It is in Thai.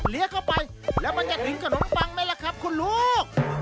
เข้าไปแล้วมันจะถึงขนมปังไหมล่ะครับคุณลูก